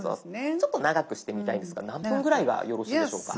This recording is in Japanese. ちょっと長くしてみたいんですが何分ぐらいがよろしいでしょうか？